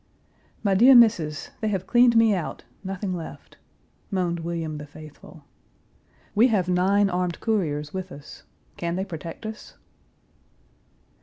"My dear Missis! they have cleaned me out, nothing left," moaned William the faithful. We have nine armed couriers with us. Can they protect us?